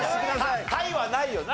他意はないよな。